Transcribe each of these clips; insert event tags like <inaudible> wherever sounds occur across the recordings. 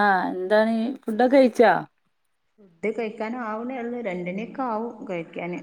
ആ എന്താണീ ഫുഡൊക്കെ കഴിച്ചോ? ഡ് കഴിക്കാനാവുണെ ഒള്ളൂ രണ്ടണിയൊക്കെ ആവും കഴിക്കാന്.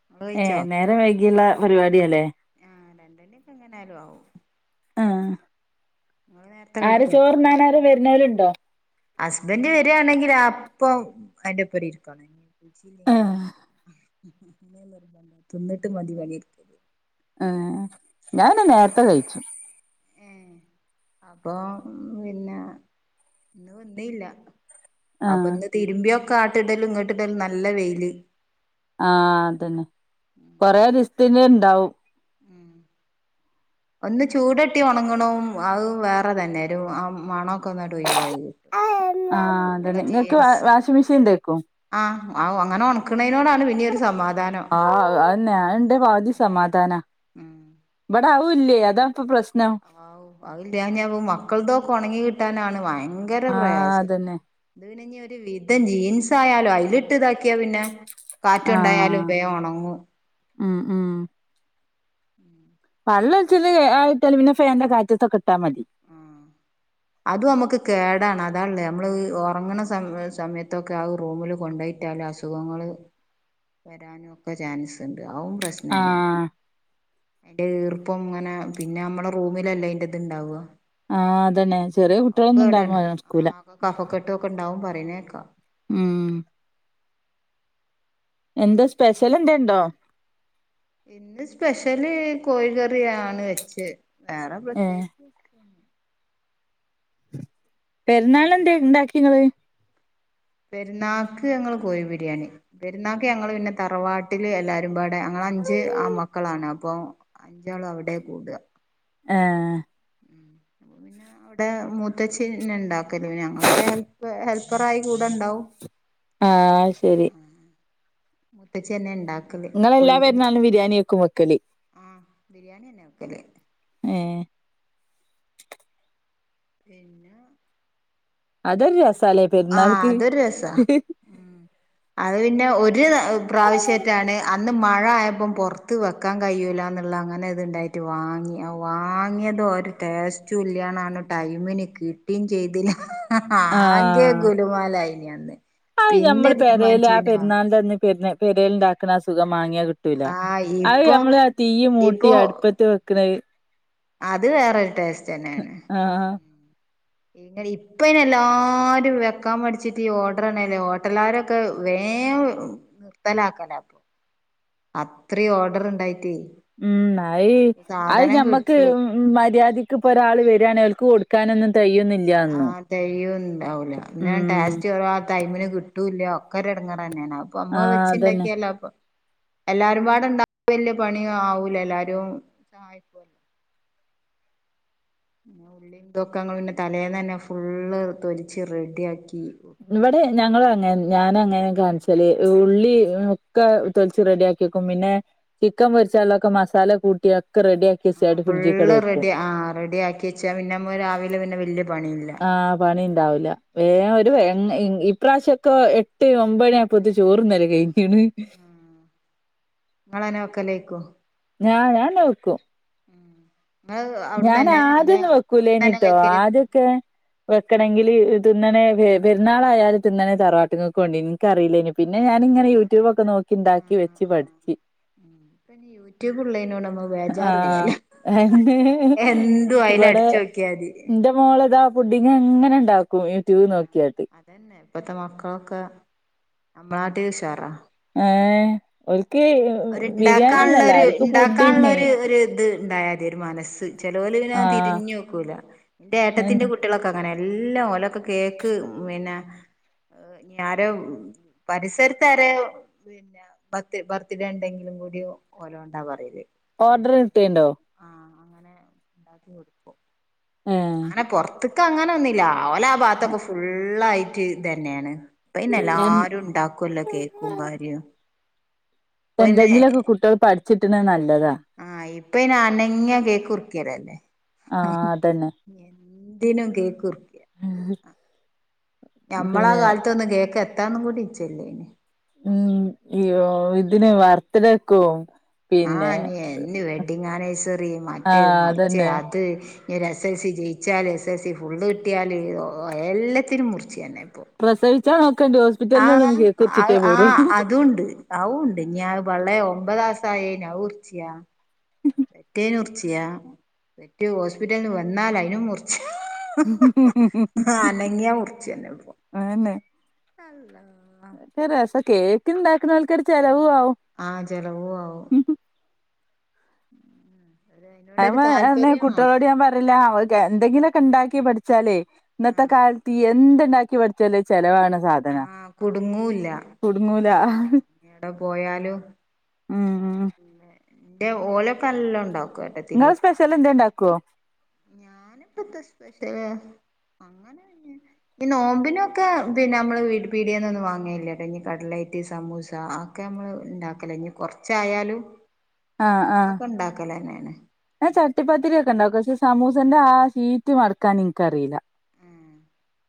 ഇങ്ങള് ഏ കഴിച്ചോ നേരം വൈകിയുള്ള പരിപാടി ല്ലേ? ആഹ് രണ്ടണിയൊക്കെ എങ്ങനായാലും ആവും ആഹ് നീ നേരത്തെ ആര് കഴിക്കോ? ചോറുണ്ണാനാര് വരുന്നോലുണ്ടോ ഹസ്ബൻ്റ് വരാണെങ്കിൽ അപ്പം അയിന്റെപ്പരി ഇരിക്കാണ്. ച്ചിലെങ്കിലു ആഹ് വാണ്ടില്ല ഞ്ഞ് നിർബന്ധം തിന്നിട്ട് മതി പണിട്ക്കൽ. ഏ ഞാന്നെ അപ്പ നേരത്ത കഴിച്ചും. ഏഹ് അപ്പൊ പിന്നെ ഇന്ന് വന്നീല്ല. അപ്പൊ ആഹ് ഇന്ന് തിരുമ്പ്യോക്കെ ആട്ട്ടലും ഇങ്ങട്ട്ടലും നല്ല വെയില്. ആ അതെന്നെ ഉം കൊറെസ്ത്തിന് ണ്ടാവും ഉം <inaudible> ഒന്ന് ചൂടട്ടി ഒണങ്ങ്ണതും അത് വേറെ തന്നെ രു ആ മണൊക്കെ ഒന്നണ്ട് ഒയ് വായി ആ അതെന്നെ ഇങ്ങക്ക് വാഷി മിഷീൻ ണ്ടേക്കും ആ ആ അങ്ങനെ ഒണക്ക്ണെനോടാണ് പിന്നെ ഒരു സമാ ആ അതെന്നെ അത് ണ്ടെ പക് തി സമാധാന ഉം വടെ അതുല്ല്യേ അതാ പ്പൊ പ്രശ്നം ഔ അത് ല്യാഞാപ്പ മക്കൾതൊക്കെ ഒണങ്ങി കിട്ടാനാണ് ഭയങ്കര ആഹ് പ്രയാസം അതന്നെ ത് പിന്നൊര് വിധം ജീൻസായാലും അയ്ലിട്ട് താക്ക്യാ പിന്നെ കാറ്റൊണ്ടായാലും ബെ ഒണങ്ങും ആ ആ <inaudible> വള്ളൊല്ച്ച്ട്ട് ആറിട്ടാല് പിന്നെ ഫേന്റെ കാറ്റത്തൊക്കെട്ടാ മതി ആ അതും നമ്മക്ക് കേടാണ് അതാണ്ലോ ഞമ്മള് ഒറങ്ങ്ണ സമ് സമയത്തൊക്കെ ആ റൂമില് കൊണ്ടേയ്ട്ടാലസു അസുഖങ്ങള് വരാനോക്കെ ചാൻസ് ണ്ട് അതും പ്രശ്നന്നേണ് ആഹ് ഈർപ്പം ങ്ങനെ പിന്നെ ഞമ്മളെ റൂമിലല്ലേ അയ്ന്റെ ത്ണ്ടാവ ആഹ് അതെന്നെ ചെറിയ കുട്ട്യാളൊന്നുണ്ടാവ്മ്പോ അത് നട ക്കൂല കഫക്കെട്ടൊക്കെണ്ടാവും പറയ്ണേക്കാ ഉം എന്തോ സ്പെഷ്യലെന്തേ ണ്ടോ ഇന്ന് സ്പെഷ്യല് കോഴി കറി ആണ് വെച്ചത് വേറെ ഏഹ് പ്രത്യേകിച്ച് പെരുന്നാൾനെന്തേ ണ്ടാക്കി ങ്ങള് പെരുന്നാക്ക് ഞങ്ങള് കോയി ബിരിയാണി പെരുന്നാക്ക് ഞങ്ങള് പിന്നെ തറവാട്ടില് എല്ലാരും പാടെ ഞങ്ങളഞ്ച് ആമക്കളാണ് അപ്പൊ അഞ്ചാളും അവടെ കൂട ഏ വ്ടെ മൂത്തച്ഛി ന്നെ ണ്ടാക്കല് ഞങ്ങളൊക്കെ ഹെൽപ് ഹെൽപ്പറായി കൂടെണ്ടാവും ആ അത് ശെരി ത്തച്ചിന്നെ ണ്ടാ ക്ക്ല് കോയി നിങ്ങളെല്ലാ ബിരി പെരുന്നാളിനും ബിരിയാണി വെക്കും വെക്കല് ആ ബിരിയാണിന്നെ വെക്കല് ഏ പിന്നാ അതൊരു രസാലേ ആഹ് പെരുന്നാൾക്ക് അതൊരു രസാ ഹ് ഹ് അത് പിന്നെ ഒരു പ്രാവശ്യേറ്റാണ് അന്ന് മഴായപ്പം പൊർത്ത് വെക്കാൻ കയൂല്ല ന്ന്ള്ള അങ്ങനെത്ണ്ടായിട്ട് വാങ്ങി വാങ്ങിയതോ ഒര് ടെസ്റ്റു ഇല്യാണാണ് ടൈമിന് കിട്ടിചെയ്തില്ല ആഹ് ഗുലു മാലായിനി അന്ന് അത് പിന്നെ ഞമ്മള് പെരേല് തീരുമാനിച്ചു ആ പിന്നെ വാങ്ങാ പെരുന്നാൾന്റന്ന് പെരേൽണ്ടാക്ക്ണ ആ സുഖം മാങ്ങ്യ കി ട്ടൂല ആഹ് അത് ഇപ്പൊ ഞമ്മളത് തിയ്യ് മൂട്ടി ഇപ്പൊ അട്പ്പത്ത് വെക്ക്ണത് അത് വേറൊരു ടേസ്റ്റെന്നെണ് ആ ആ ഇങ്ങനെ ഇപ്പയ്ന് എല്ലാരും വെക്കാ മടിച്ചിട്ട് ഈ ഓഡറാനല്ലോ ഹോട്ടലാരൊ ക്കെ വേം നിർത്തലാക്കലപ്പൊ അത്രീ ഓഡർണ്ടായിറ്റെ ഉം അത് അത് ഞമ്മക്ക് ഉം മര്യാദിക്ക് ഇപ്പൊ ഒരാള് വെരാണേൽ ഓൽക്ക് കൊടുക്കാനൊന്നും തെകയ്യൊന്നില് ആഹ് തെയ്യുണ്ടാവൂല. പിന്നെ ഉം ടേസ്റ്റ് കൊറവാ ടൈമിന് കിട്ടൂല്ല ഒക്കെ ഒരു എടങ്ങാറന്നെയാണ്. അപ്പൊ അമ്മള് ആഹ് അതന്നെ വെച്ചിണ്ടാക്കിയാലോ അപ്പൊ എല്ല ഒരുപാടുണ്ടാ വല്യ പണിയു ആവൂല എല്ലാരും സഹായി പിന്നെ ഉള്ളിയും ഇതൊക്കെയങ്ങ് പിന്നെ തലേന്നന്നെ ഫുള്ള് തൊലിച്ച് റെഡിയാക്കി ഇവിടെ ഞങ്ങളു വെക്കും അങ്ങനെ ഞാനു അങ്ങനെ കാണിച്ചല്. ഉള്ളി ഒക്കെ തൊലിച്ച് റെഡിയാക് ക്കി വെക്കും പിന്നെ, ചിക്കൻ മൊരിച്ചാലൊക്കെ മസാല കൂട്ടി ഒക്കെ റെഡി ആക് ആ ഫുള്ള് റെഡി ആഹ് റെഡിയാക്കി വെച്ചാ പിന്നെമ്മ രാവിലെ പിന്നെ വല്യ പണിയില്ല. ആഹ് പണി ഇണ്ടാവില്ല. വേഗ ഒരു ഇപ്രാവശ്യൊക്കെ എട്ട് ഒമ്പത് ആയപ്പത്ത് ചോറ്ന്നല് കയിഞ്ഞ്. ഇത് ഇങ്ങളന്നെ വെക്കലേക്കോ? ആഹ് ഞാനന്നെ വെക്കു. ഉം. ഞാനാദ്യൊന്നു തന്നെ വെക്കൂലേനിട്ടോ. കഴിക്കല് ആദ്യൊക്കെ വെക്കണെങ്കില് തിന്നണെ പെര്ന്നാളായാല് തിന്നണെ തറവാട്ട്ങ്ങക്ക് കൊണ്ടേന്ന്. ക്കറീല്ലേനു. പിന്നെ ഞാനിങ്ങനെ യൂട്യൂബൊക്കെ നോക്കി ഇണ്ടാക്കി വെച്ച് പഠിച്ച്. ഉം പിന്നെ യൂട്യൂബ് ഇള്ളേയ്നോണ്ട് നമ്മ ആഹ് ബേജാറില്ലാലോ. എന്നെ എന്തു അയ്ലടിച്ചോക്കിയാതി. മോളതാ പുഡ്ഡിങ്‌ എങ്ങനെ ഇണ്ടാക്കും യൂട്യൂബ് ആ നോക്കിയാട്ട്. അതന്നെ ഇപ്പത്തെ മക്കളൊക്കെ നമ്മളാട്ടിലു ഉഷാറാ. ഏഹ് ഓൽക്ക് ബിരിയാണി ഒന്നല്ല ഒര്ണ്ടാക്കാന്ള്ളൊരു ഓൽക്ക് പുഡിങ് ഇണ്ടാക്കാന്ള്ളൊരു ഒരു ഇത് ഇണ്ടായാ മതി ഒരു മനസ്സ്. ചേലോല് പിന്നെ ആഹ് തിരിഞ്ഞ്‌ ക്കൂല. എന്റെ ഏട്ടത്തിന്റെ അതന്നെ കുട്ട്യോളൊക്കെ അങ്ങനെയാ. എല്ലം ഓലൊക്കെ കേക്ക് പിന്നെ ഈഹ് ഞാരോം പരിസരത്ത് ആരെ പിന്നെ പത്ത് പർ ത്തിരിണ്ടെങ്കിലും കൂടിയും ഓരോണ്ടാ പറയല് ഓർഡർ ഇണ്ടാക്കാൻ. കിട്ടേണ്ടോ ആഹ് അങ്ങനെ ഇണ്ടാക്കി കൊടുക്കും. ഏഹ് അങ്ങനെ പൊറത്ത്ക്ക് അങ്ങനൊന്നുല്ല. അവലെ ആ ഭാത്തൊക്കെ ഫുള്ളായിട്ട് ഇതന്നെയാണ്. ഇപ്പ പിന്നെ എൻ എല്ലാരും ഇണ്ടാക്കല്ലോ കേക് ക്കും കാര്യോം. എന്തെങ്കിലു ഒക്കെ കുട്ട്യേള് പഠിച്ചിട്ട്ണെ നല്ലതാ. ആഹ് ഇപ്പയിന് അനങ്ങ്യാ കേക്ക് മുറിക്കലല്ലേ. ആഹ് അതന്നെ. എന്തിനും കേക്ക് മുറിക് ഏഹ്. ഞമ്മള കാലത്തൊന്നു കേക്കത്താ കൂടി ഇച്ചല്ലേനു. ഉം യോ ഇതിന് വർത്ത്ടേക്കും ആഹ് ഇനി എന്ത് വെഡ്ഡിങ് ആനിവേഴ്സറി മറ്റേ ആഹ് മറച്ചെ അതന്നെ അത് ഒരു എസ് എൽ സി ജയിച്ചാല് എസ് എൽ സി ഫുള്ള് കിട്ടിയാല് ഓഹ് എല്ലത്തിനും മുറിച്ച് തന്നെ ഇപ്പോ. പ്രസവിച്ചാ നോക്കണ്ടി ഹോസ് ആഹ് അഹ് ആഹ് അതൂണ്ട്. അവൂണ്ട്. ഇഞ്ഞിയാ വെള്ളേ ഒമ്പതാസയ്ന് അത് മുർച്ചിയാ. പെറ്റേനുർച്ചിയാ പെറ്റേ ഹോസ്പിറ്റൽന്ന് വന്നാലയിനും മുർച്ചി അനങ്ങിയ മുറിച്ചന്നെ ഇപ്പൊ. അതന്നെ. അല്ലാഹ്. ഒരു വടംകേക്ക്ഇണ്ടാക്കുണാൽ ക്കൊരു കുറവും ആവും ആ ജലവും ആവും അമ്മ അതിനോടൊരു അ താല്പര്യം വേണം കുട്ടികളോട് ഞാൻ പറയലാ അവ എന്തെങ്കിലുമൊക്കെ ഉണ്ടാക്കി പഠിച്ചാലേ ഇന്നത്തെ ആഹ് കാലത്ത് എന്തുണ്ടാക്കി പഠിച്ചാല് ചെലവാണ് ആഹ കുടുങ്ങൂല്ല കുടുങ്ങൂല എവിടെ പോയാലും ഉം എന്റെ ഓലക്കെ നല്ല ഉണ്ടാക്കു ങ്ങള് സ്‌പെഷല് എന്തോ ഉണ്ടാക്കോ ഞാനിപ്പത്തെ സ്പെഷ്യല അന ഈ നോമ്പിനൊക്കെ പിന്നെ നമ്മള് പീടേനൊന്നും വാങ്ങലില്ലട്ടോ ഈ കട്ലെറ്റ് സമൂസ. ഒക്കെ അമ്മള് ഉണ്ടാക്കലാ, ഞി കൊർച്ചായാലും. ആഹ് ആഹ്. ഞാ ചട്ടിപ്പാത്തിരിയൊക്കെ ണ്ടാകും പക്ഷേ സമൂസന്റെ ആ സീറ്റ് മട്ക്കാൻ ഇൻക്കറീല.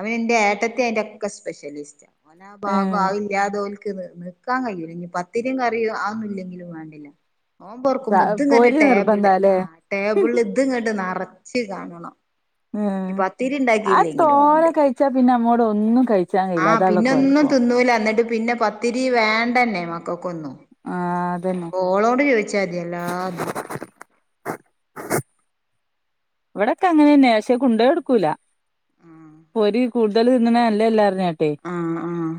അവനന്റെ ഏട്ടത്തി അയ്ന്റൊക്കെ സ്പെഷ്യലിസ്‌റ്റ് ഓനാ ആ ഭാഗം ഏഹ് അതില്ലാ തോൽക്ക് നി നി ക്കാൻ കയ്യൂല ഇനി പത്തിരിം കറിം അതൊ ന്നും ഇല്ലെങ്കിലും വേണ്ടീല. സ നോമ്പൊർക്കുമ്പോ ഇത്ങ്ങട്ട് പൊരി ടേബിള്ള് നിർബന്ധാല്ലേ ആ ടേബിൾൽ ഇത്ങ്ങട്ട് നെർച്ച് കാണണം. ഏഹ് ഇനി പത്തിരി അത് തോനെ ഇണ്ടാക്കില്ലെങ്കിലുംവേണ്ടീല കഴിച്ചാ പിന്നെ നമ്മോട് ഒന്നും കഴിച്ചാൻ ആ കഴിയില്ല അതാള്ള പിന്നൊന്നും കൊഴപ്പം തിന്നൂല ന്ന് പിന്നെ പത്തിരി വേണ്ടന്നെ മക്കൊക്കൊന്നും. ആഹ്. അതന്നെ അപ്പൊ ഓളോട് ചോയ്ച്ചാതി എല്ലാതും. ഇവടൊക്കെ അങ്ങനെന്നെ, പക്ഷെ കൊണ്ടേട്ക്കൂല. ഓര് കൂടുതൽ തിന്ന്ണ നല്ല ല്ലാർഞ്ഞാണ്ടിം. ആഹ്ആഹ്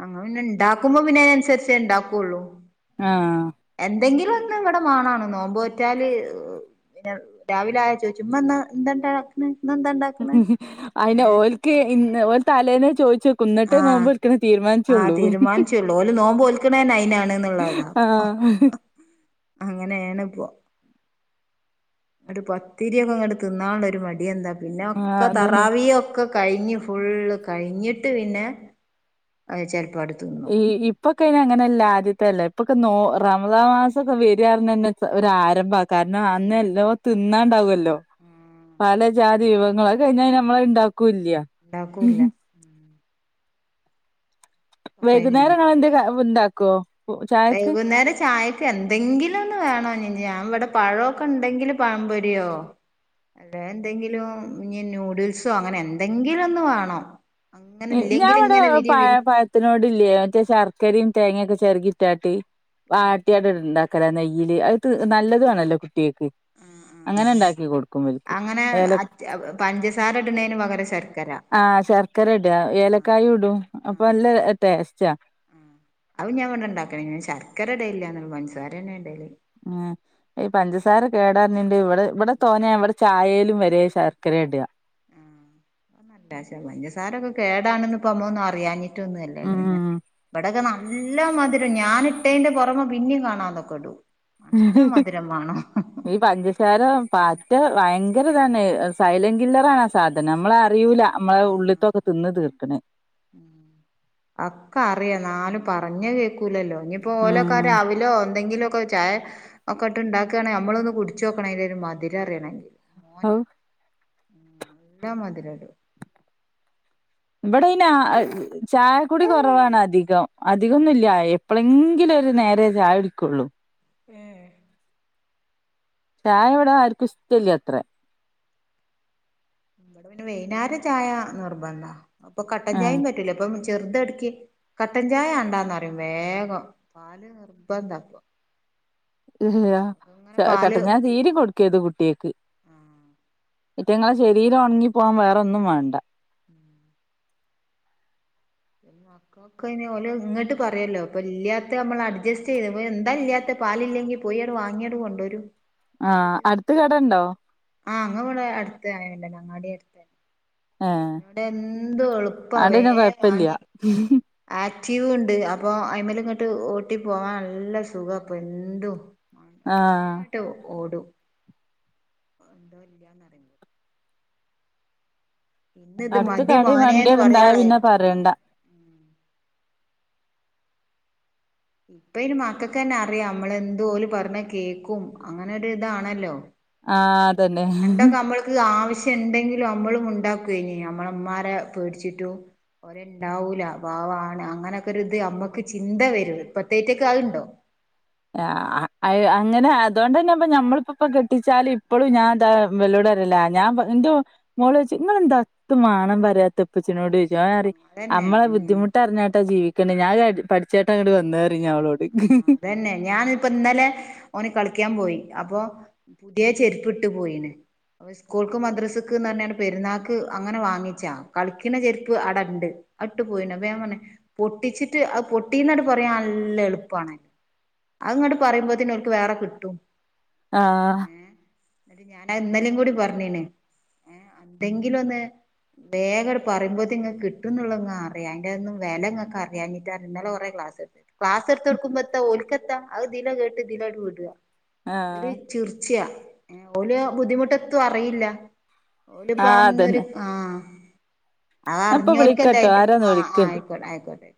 ഞങ്ങള് പിന്നെ ഇണ്ടാക്കുമ്പോ പിന്നെ അയ്നൻസര്ച്ചേ ഇണ്ടാക്കൊള്ളൂ. ആഹ്. എന്തെങ്കിലും ഒന്ന് ഇവടെ മാണാ ണും, നോമ്പ് നോറ്റാല് അ് ന്നെ രാവിലെ ആയചോയ്ചുംമ്മന്ന് എന്താഇണ്ടാക്ണ് ഇന്നെന്താഇണ്ടാക്ണ്. ഉം, അയ്ന് ഓൽക്ക് ഇ ന്ന് ഓല്തലേനെ ചോയ്ച്ചെ ന്നിട്ടേ ആഹ് നോമ്പോൽക്ക്ണത് ആഹ് തീരാമാൻച്ചൊള്ളൂ. തീരുമാനിച്ചുള്ളൂ ഓല് നോമ്പ് ഓൽക്കണ അയിനാണ്ന്നുള്ളതാ ആഹ്. അങ്ങനേണ്പ്പൊ. ട് പത്തിരിയൊക്കെ ഇങ്ങട്ട് തിന്നാള്ള ഒരു മടിഎന്താ പിന്നെ ആഹ് ഒക്കെ അതന്നെ തറാവിയൊ ക്കെ കഴിഞ്ഞ്ഫുള്ള് കഴിഞ്ഞ്ട്ട് പിന്നെ അത് ചെലപ്പാട്തിന്നും ഈ ഇപ്പൊക്കെയ്ന് അങ്ങനല്ല ആദ്യത്തെല്ല ഇപ്പൊക്കെ നോ റമളാം മാസംക്കെ വരാന്നർഞന്നെ. ഒരു ആരംഭാ, കാരണം അന്ന് എല്ലോം തിന്നാണ്ടാവല്ലോ പല ജാതി വിഭവങ്ങള് അത്കഴിഞ്ഞാ ഞമ്മളത് ഇണ്ടാക്കൂല്ല്യ. ഉണ്ടാക്കൂല്ല്യ. വൈകുന്നേരംങ്ങള് എന്തെ ഇണ്ടാക്കോ? വൈകുന്നേരം ചായ. ക് എന്തെങ്കിലുംന്ന് വേണം, ഞാവടെ പഴോക്കെ ഉണ്ടെങ്കില് പഴംപൊരിയോ. അല്ലേന്തെങ്കിലും ഇനി ന്യൂഡിൽസോ അങ്ങനെ എന്തെങ്കിലും ഒന്ന് വാണം. ഞാൻ ഇവടെ പ പഴത്തിനോടില്ലേ മറ്റേ ശർക്കരിം തേങ്ങെക്കെ ചെര്കിട്ടാട്ടി. ആ വാട്ടിയാട് ഇണ്ടാക്കലാ നെയ്യ്ല് അത് ത് നല്ലതു ആണല്ലോ കുട്ട്യാൾക്ക്. ആ ആ അങ്ങനെ ഇണ്ടാക്കി കൊടുക്കും ഇവൽക്ക് അങ്ങനെ ഏല പഞ്ചസാര ഇടുന്നതിന് പകരം ശർക്കര ആഹ് ശർ ക്കര ഇട ആഹ് ഏലക്കായീംടും അപ്പൊ ആഹ് നല്ല ടേസ്റ്റാ. അതും ഞാ ഇവിടെ ഉണ്ടാക്ക ശർക്കരട്ലില്യനൊള്ളു, പഞ്ചസാരന്നേഇടല്. ആഹ്. ഈ പഞ്ചസാര കേടാർനെണ്ട് ഇവടെ ഇവടെ തോനെ ഇവടെ ചായേല് വരേ ശർക്കരേടാ പഞ്ചസാരൊക്കെ കേടാണ്ന്ന് പ്പ നമ്മളറിയാഞ്ഞിട്ടൊന്നുംല്ലല്ലോ ഞാ ഉം ഇവിടൊക്കെ ന നല്ല മധുരം ഞാനിട്ടേന്റെ പുറമേ പിന്നിം കാണാതൊക്കെടും നല്ലം മധുരം വേണം. ഈ പഞ്ചസാര പറ്റ ഭയങ്കരതാണ്, സൈലൻറ് കില്ലറാണാ സാധനം, നമ്മള റിയൂല നമ്മളെ ഉള്ള്ത്തൊക്കെ തിന്ന് തീർക്ക്ണ്. ഉ അക്കറിയാന്നാലും പറഞ്ഞകേക്കൂലല്ലൊ ഇനിയിപ്പൊ ഉം ഓലോക്കാരാവിലോ എന്തെങ്കിലൊക്കെ ചായ. ഒക്കെട്ട്ണ്ടാക്കാണെൽ നമ്മളൊന്ന് കുട്ച്ചോക്കണംഅയ്ൻ്റൊരു മധുരംറിയണെങ്കി, ഔ മോന്. നല്ല മധു രടും. ഇബടയ്ന് ആഅ്. ചായ കുടി കൊറവാണധികം അധികൊന്നുല്ല്യ എപ്പളെങ്കിലും ഒരു നേരെ ചായുടിക്കൊള്ളൂ. ഏഹ്. ചായ ഇവ്ടെ ആർക്കും ഇഷ്ട്ടല്ല്യ ത്രേ. ഇവടെ പിന്നെ വൈന്നാര ചായ നിർബന്ധാ അപ്പൊ കട്ടൻ ആഹ് ചായും പറ്റൂല. ഇപ്പം ചെറുതട്ക്കി കട്ടൻ ചായ വേണ്ടാന്നറിം വേഗം പാല് നിർബന്ധാപ്പം. ഹ് അങ്ങനെ ഹാ പാല് കട്ടൻചായ തീരെ കൊട് ക്കെര്ത് കുട്ട്യാക്ക് അറ്റിങ്ങളെ ഷ രീരം ഒണങ്ങി പോവാൻ വേറൊന്നും വേണ്ട. <unintelligible> മക്കൊക്കെ അയ്ൻ ഓല് ഇങ്ങട്ട് പറിയല്ലോ അപ്പൊ ഇല്ലാത്ത നമ്മൾ അഡ്ജസ്റ്റ് ചെയ്ത് എന്താ ഇല്ല്യാ ത്തെ. പാലില്ലെങ്കി പോയാണ്ട് വാങ്ങിയാണ്ട് കൊണ്ടരും. ആഹ് അടുത്ത് കടണ്ടോ ആഹ് അങ്ങ ഇവ്ടെ അടുത്ത് എന്താ അങ്ങാടി അട്ത്തന്നെ. ഏഹ് ഇവ്ടെ എന്തു എളുപ്പാ വേം. ഇപ്പല്ല്യ ഹ്ഹ്. ആക്റ്റീവുംണ്ട് അപ്പോ അയിമൽങ്ങട്ട് ഓട്ടി പോവാൻ നല്ല സുഖാപ്പ എന്തും. ആഹ്. ട്ട് ഓടും. എന്തോ ഇല്ല്യാന്നറിം. ഇന്ന് ഇത് അടുത്ത് മതി കടേം മോനേന്ന് വണ്ടിയുംണ്ടായ പറയാള്ളേ പിന്നെ പറയണ്ട. ഇപ്പയ്ന് മക്കക്കെന്നെ അറിയാം അമ്മള് എന്ത് ഓല് പറഞ്ഞ കേക്കും അങ്ങനൊ ഒരു ഇതാണല്ലോ. ആഹ് അതന്നെ പണ്ടൊക്കെമ്മള് മ്മക്ക് ആവ്ശ്യം ഇണ്ടെങ്കിലും അമ്മള് മുണ്ടാക്കേനി അമ്മളെമ്മാരെ പേട്ച്ചിട്ടു. ഒര് ണ്ടാവൂല പാവാണ് അങ്ങനൊക്കെ ഒര്ത് നമ്മക്ക് ചിന്ത വരും ഇപ്പത്തേറ്റെക്ക് അതുണ്ടോ? ആഹ് അഹ് അങ്ങനെ അതോണ്ടന്നെപ്പ നമ്മള്പ്പൊ പ്പൊ കെട്ടിച്ചാല് ഇപ്പളും ഞാൻ താ. ഇവലോടറിയലാ ഞാൻപ എന്റൊ. മോളോയ്ച്ചും ഇങ്ങളെന്താ എത്തും മാണം പറിയാത്തെ ഇപ്പച്ചിനോടോയ്ച്ചും. അതന്നെ അമ്മളെ ഉം ബുദ്ധിമുട്ടർഞ്ഞ്ട്ടാ ജീവിക്ക്ണ്ട് ഞാനഹ് ട്ട് പട്ച്ച്ട്ടാങ്ങട്ട് വന്നേറിയും ഞാ ഓളോട്. തന്നെ ഞാനിപ്പൊ ഇന്നലെ ഓന് കളിക്കാൻ പോയി അപ്പൊ. പുത്യെ ചെര്പ്പ്ട്ട് പോയീന് അപ്പ സ്കൂൾക്ക് മദ്രസക്ക്ന്നർഞ്ഞാണ്ട് പെരുന്നാക്ക് അങ്ങനെ വാങ്ങിച്ചാ കളിക്ക്ണ ചെര്പ്പ് ആടെണ്ട്. അട്ട് പോയിണ് അപ്പ ഞാപർഞ്ഞ് പൊട്ടിച്ചിട്ട് അഹ് പൊട്ടീന്നണ്ട് പറിയാൻ നല്ല എള്. പ്പാണ് അത്ങ്ങട്ട് പറയുമ്പോത്തിൻ ഓൽക്ക് വേറെ കിട്ടും. ആഹ്. ഏ ഞാന് ഇന്നലിം കൂടി പറഞ്ഞീണ് ഏ അതെങ്കിലും ഒന്ന്. വേഗാണ്ട് പറിമ്പോത്തിൻ ഇങ്ങക്ക് കിട്ടുന്നുള്ളഹ്ങ്ങറിയാം അയ്ന്റൊന്നും വെലങ്ങക്കറിയാഞ്ഞിട്ടാ ഇന്നലെ കൊറേ ക്ലാസ്ട്ത്ത്. ട്ത്താട്ക്കുമ്പെത്താ ഓൽക്കെത്താ അഹ് തിലെകേട്ട് ഇതിലെ അങ്ങട് വിടുവാ ഓല് ആഹ് ചിർച്ച ഓല് ബുദ്ധിമുട്ടെത്തും അറിയില്ല ഓലിപ്പോ ആഹ് അന്നൊരു. അതന്നെ ആ ഞാൻപ്പൊ അർഞ്ഞോൽക്കല്ലെ വിളിക്കട്ടോ അയ്ന്റെ ആരോന്ന് ആഹ് ആഹ് വിളിക്ക്ണ്ട് ആയിക്കോട്ടെ ആയിക്കോട്ടെ.